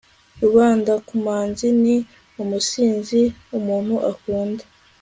rubundakumazi ni umusinzi, umuntu ukunda